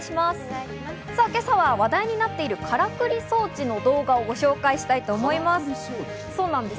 今朝は話題になっている、からくり装置の動画をご紹介します。